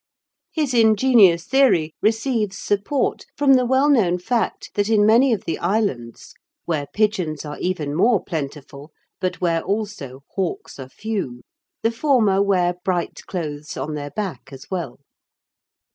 His ingenious theory receives support from the well known fact that in many of the islands, where pigeons are even more plentiful, but where also hawks are few, the former wear bright clothes on their back as well.